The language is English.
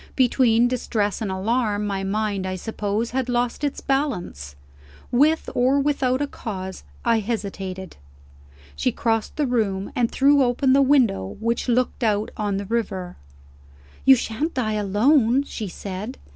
Between distress and alarm, my mind (I suppose) had lost its balance. With or without a cause, I hesitated. She crossed the room, and threw open the window which looked out on the river. "You shan't die alone," she said.